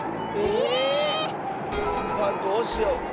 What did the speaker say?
え⁉どうしよう。